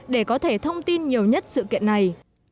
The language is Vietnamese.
để có thể thông tin nhiều nhất sự kiện này